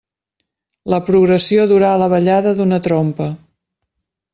La progressió durà la ballada d'una trompa.